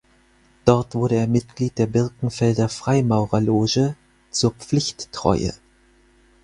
Dort wurde er Mitglied der Birkenfelder Freimaurerloge "Zur Pflichttreue".